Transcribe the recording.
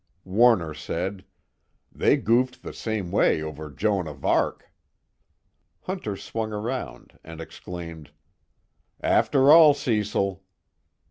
Warner said: "They goofed the same way over Joan of Arc." Hunter swung around and exclaimed: "After all, Cecil!"